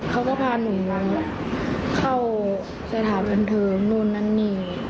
เขาก็พาหนูมาเข้าสถานการณ์เทิมนู่นนานนี่